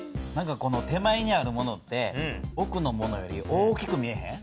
手前にあるものって奥のものより大きく見えへん？